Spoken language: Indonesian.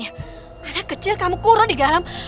jawab dinda naungulan